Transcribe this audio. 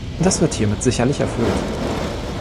Das wird hiermit sicherlich erfüllt.